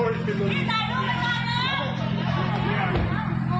ตายลูกไม่ตายแล้ว